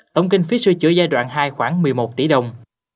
tổng kinh phí sửa chữa giai đoạn hai khoảng một mươi một tỷ đồng